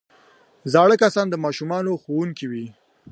زاړه کسان د ماشومانو ښوونکي وي